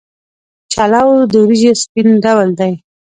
چلو د وریجو سپین ډول دی.